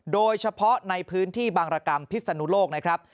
โดยเฉพาะในพื้นที่บางรกรรมพิศนุโลกนะครับ